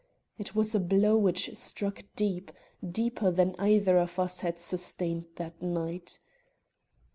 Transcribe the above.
It was a blow which struck deep, deeper than any either of us had sustained that night.